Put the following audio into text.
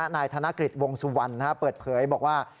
นายกธนกฤษวงสุวรรณเปิดเผยบอกว่า